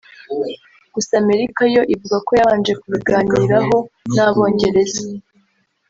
Gusa Amerika yo ivuga ko yabanje kubiganiraho n’Abongereza